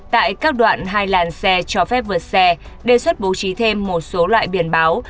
tại các đoạn hai làn xe cho phép vượt xe đề xuất bố trí thêm một số loại biển báo